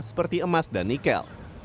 seperti emas dan nikel